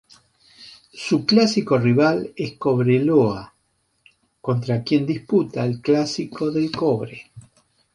Su clásico rival es Cobreloa, contra quien disputa el "Clásico del Cobre".